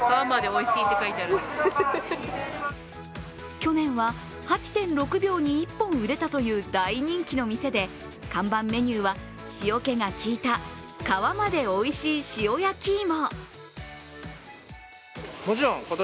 去年は８．６秒に１本売れたという大人気の店で看板メニューは塩気がきいた皮まで美味しい塩やきいも。